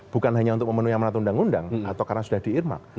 bukan hanya untuk memenuhi amanat undang undang atau karena sudah diirmak